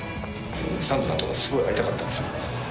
サンドさんとはすごい会いたかったんですよ。